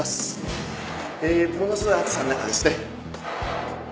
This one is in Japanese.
ものすごい暑さの中ですね。